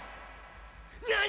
「何！？」